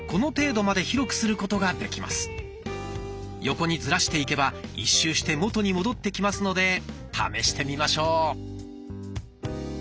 横にズラしていけば一周して元に戻ってきますので試してみましょう。